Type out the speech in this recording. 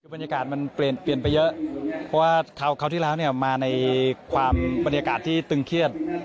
บรรยากาศมันเปลี่ยนไปเยอะเพราะว่าคราวที่แล้วเนี่ยมาในความบรรยากาศที่ตึงเครียด